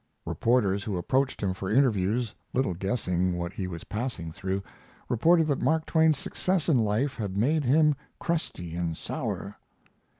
Reporters who approached him for interviews, little guessing what he was passing through, reported that Mark Twain's success in life had made him crusty and sour.